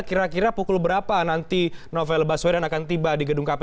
kira kira pukul berapa nanti novel baswedan akan tiba di gedung kpk